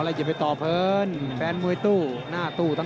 โอ้โหแดงโชว์อีกเลยเดี๋ยวดูผู้ดอลก่อน